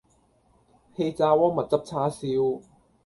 氣炸鍋蜜汁叉燒